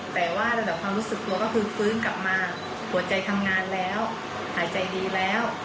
แต่ว่าระดับความรู้สึกตัวก็คือฟื้นกลับมาหัวใจทำงานแล้วหายใจดีแล้ว